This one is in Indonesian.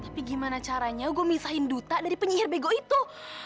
tapi gimana caranya gue misahin duta dari penyihir bego itu